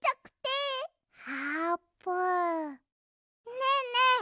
ねえねえ！